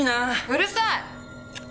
うるさい！